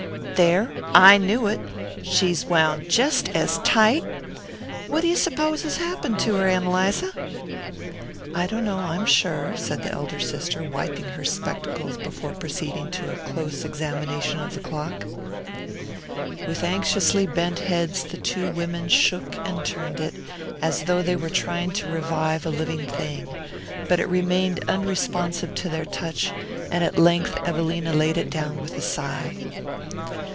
"There I knew it! She's wound jest as TIGHT what you suppose's happened to her, Ann Eliza?" "I dunno, I'm sure," said the elder sister, wiping her spectacles before proceeding to a close examination of the clock. With anxiously bent heads the two women shook and turned it, as though they were trying to revive a living thing; but it remained unresponsive to their touch, and at length Evelina laid it down with a sigh.